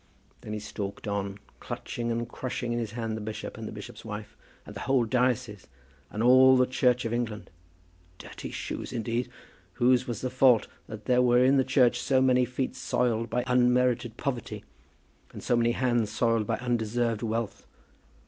Then he stalked on, clutching and crushing in his hand the bishop, and the bishop's wife, and the whole diocese, and all the Church of England. Dirty shoes, indeed! Whose was the fault that there were in the church so many feet soiled by unmerited poverty, and so many hands soiled by undeserved wealth?